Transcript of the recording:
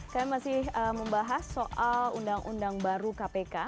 kami masih membahas soal undang undang baru kpk